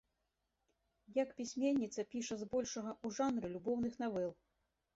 Як пісьменніца піша з большага ў жанры любоўных навел.